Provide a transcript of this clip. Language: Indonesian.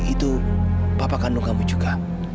itu papa kandung kamu juga